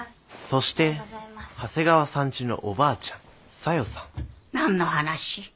そして長谷川さんちのおばあちゃん小夜さん何の話？